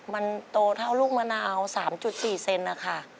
มันโตเท่าลูกมะนาว๓๔เซนนะคะ